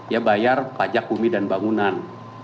ya bayar pajak bumi dan bangunan